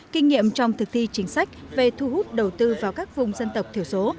kinh nghiệm trong thực thi chính sách về thu hút đầu tư vào các vùng dân tộc thiểu số